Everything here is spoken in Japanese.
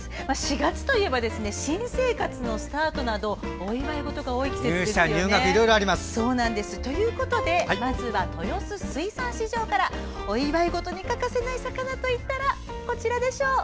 新生活のスタートなどお祝い事が多い季節ですよね。ということでまずは豊洲水産市場からお祝い事に欠かせない魚といったらこちらでしょう。